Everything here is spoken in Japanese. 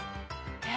えっ？